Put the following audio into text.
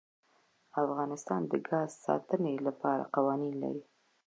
افغانستان د ګاز د ساتنې لپاره قوانین لري.